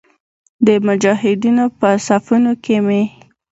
د مجاهدینو په صفونو کې مې.